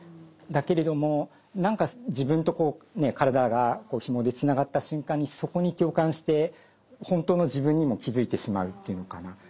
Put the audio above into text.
だけれども何か自分と体がひもでつながった瞬間にそこに共感して本当の自分にも気付いてしまうっていうのかな